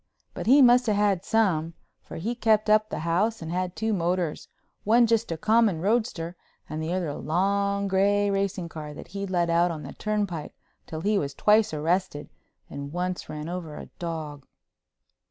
But he must have had some, for he kept up the house, and had two motors, one just a common roadster and the other a long gray racing car that he'd let out on the turnpike till he was twice arrested and once ran over a dog.